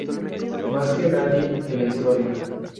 Más que nadie en la historia.